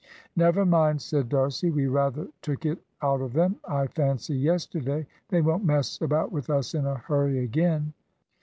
"Never mind," said D'Arcy, "we rather took it out of them, I fancy, yesterday. They won't mess about with us in a hurry again."